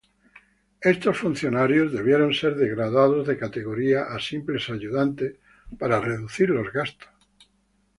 Estos funcionarios debieron ser degradados de categoría, a simples ayudantes, para reducir los gastos.